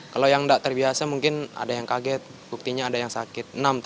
kalau yang tidak terbiasa mungkin ada yang kaget buktinya ada yang sakit